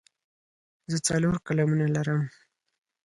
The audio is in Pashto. زه څلور قلمونه لرم.